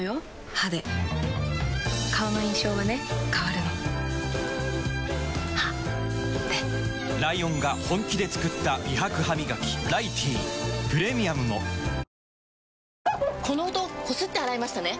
歯で顔の印象はね変わるの歯でライオンが本気で作った美白ハミガキ「ライティー」プレミアムもこの音こすって洗いましたね？